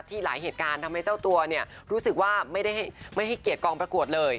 หลายเหตุการณ์ทำให้เจ้าตัวรู้สึกว่าไม่ให้เกียรติกองประกวดเลย